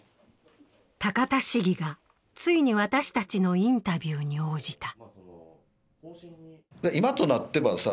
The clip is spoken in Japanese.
高田市議がついに私たちのインタビューに応じた。